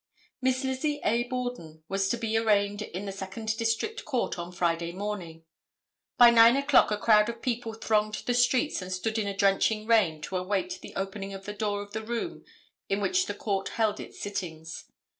Miss Lizzie A. Borden was to be arraigned in the Second District Court, on Friday morning. By 9 o'clock a crowd of people thronged the streets and stood in a drenching rain to await the opening of the door of the room in which the court held its sittings.